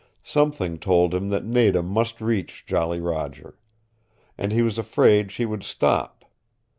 Something told him that Nada must reach Jolly Roger. And he was afraid she would stop.